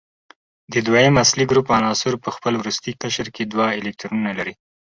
د دویم اصلي ګروپ عناصر په خپل وروستي قشر کې دوه الکترونونه لري.